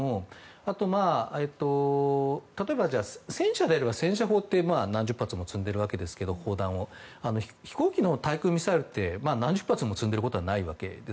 あとは例えば、戦車なら戦車砲というもので砲弾を何十発も積んでいるわけですが飛行機の対空ミサイルって何十発も積んでることはないわけです。